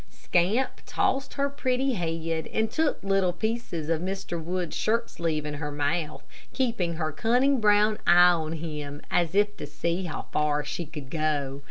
Scamp tossed her pretty head, and took little pieces of Mr. Wood's shirt sleeve in her mouth, keeping her cunning brown eye on him as if to see how far she could go.